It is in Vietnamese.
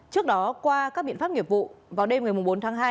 trước đó qua các biện pháp nghiệp vụ vào đêm ngày bốn tháng hai